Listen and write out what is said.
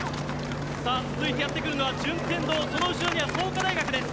続いてやってくるのは順天堂その後ろには創価大学です。